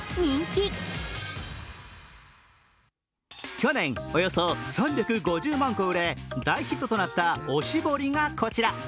去年およそ３５０万個売れ大ヒットとなったおしぼりがこちら。